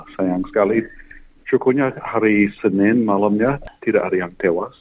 sayang sekali syukurnya hari senin malamnya tidak ada yang tewas